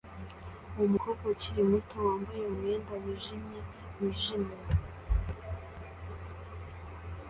Umukobwa ukiri muto wambaye umwenda wijimye wijimye